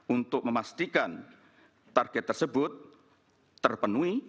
untuk memastikan target tersebut terpenuhi